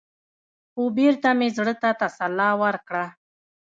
خـو بـېرته مـې زړه تـه تـسلا ورکړه.